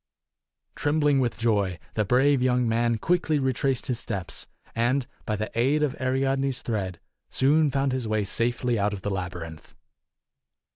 Trembling with joy, the brave young man quickly retraced his steps, and by the aid of Ariadne's thread soon found his way safely out of the labyrinth.